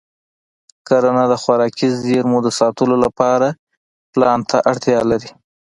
کرنه د خوراکي زېرمو د ساتلو لپاره پلان ته اړتیا لري.